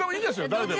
誰でも。